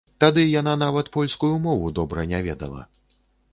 Тады яна нават польскую мову добра не ведала.